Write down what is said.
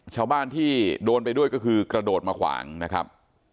ชาวบ้านที่โดนไปด้วยก็คือกระโดดมาขวางนะครับ